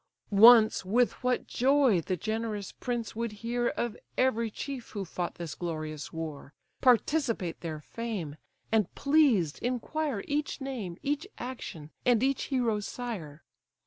Once with what joy the generous prince would hear Of every chief who fought this glorious war, Participate their fame, and pleased inquire Each name, each action, and each hero's sire!